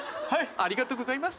ありがとうございます。